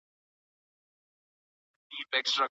د کارګرانو بیمه سته؟